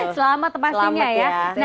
selamat pastinya ya